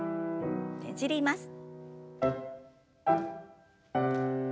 ねじります。